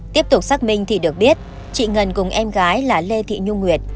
tiếp tục xác minh thì được biết chị ngân cùng em gái là lê thị nhung nguyệt